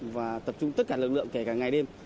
và tập trung tất cả lực lượng kể cả ngày đêm